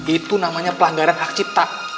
itu namanya pelanggaran hak cipta